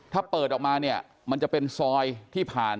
ถ้าเปิดออกมาเนี่ยมันจะเป็นซอยที่ผ่าน